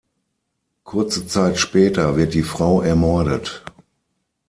Kurze Zeit später wird die Frau ermordet.